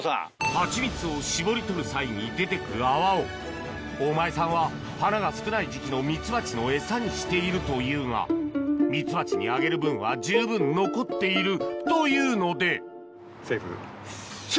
ハチミツを搾り取る際に出てくる泡を大前さんは花が少ない時期のミツバチのエサにしているというがミツバチにあげる分は十分残っているというのでセーフ？